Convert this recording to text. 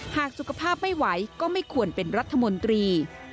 หากสุขภาพไม่ไหวก็ไม่ควรเป็นรัฐมนตรี